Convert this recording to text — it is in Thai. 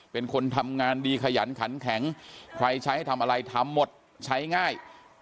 เป็นคนทำงานดีขยันขันแข็งใครใช้ให้ทำอะไรทำหมดใช้ง่าย